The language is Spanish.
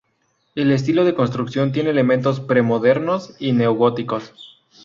El estilo de construcción tiene elementos pre-modernos y neo-góticos.